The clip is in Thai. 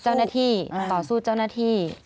เจ้าหน้าที่ต่อสู้เจ้าหน้าที่